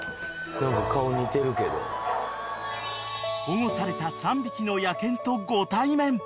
［保護された３匹の野犬とご対面］